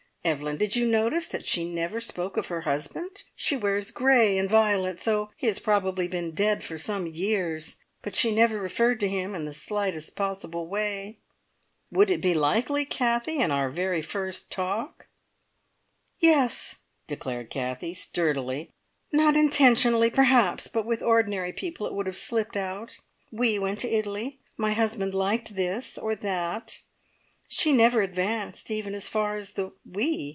Evelyn, did you notice that she never spoke of her husband? She wears grey and violet, so he has probably been dead for some years, but she never referred to him in the slightest possible way." "Would it be likely, Kathie, in our very first talk?" "Yes!" declared Kathie sturdily. "Not intentionally, perhaps, but with ordinary people it would have slipped out. `_We_ went to Italy. My husband liked this or that.' She never advanced even as far as the `we'.